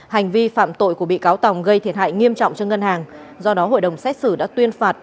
hành vi phạm tội của bị cáo tòng gây thiệt hại nghiêm trọng cho ngân hàng do đó hội đồng xét xử đã tuyên phạt